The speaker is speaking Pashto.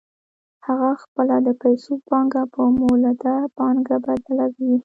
هغه خپله د پیسو پانګه په مولده پانګه بدلوي